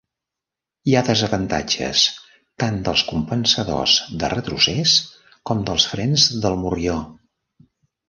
Hi ha desavantatges tant dels compensadors de retrocés com dels frens del morrió.